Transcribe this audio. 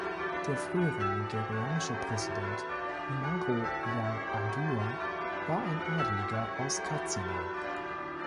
Der frühere nigerianische Präsident Umaru Yar'Adua war ein Adeliger aus Katsina.